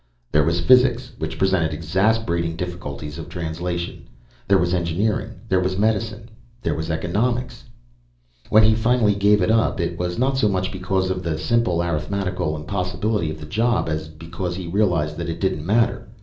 There was physics, which presented exasperating difficulties of translation; there was engineering, there was medicine, there was economics.... When he finally gave it up, it was not so much because of the simple arithmetical impossibility of the job as because he realized that it didn't matter.